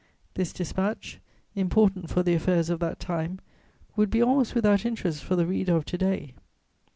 This dispatch, important for the affairs of that time, would be almost without interest for the reader of to day.